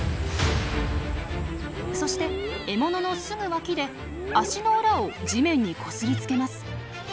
そして獲物のすぐ脇で足の裏を地面にこすりつけます。